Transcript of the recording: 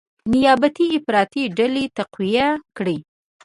نیابتي افراطي ډلې تقویه کړي،